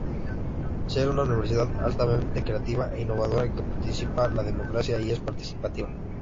Ser una Universidad altamente creativa e innovadora, que practica la democracia y es participativa.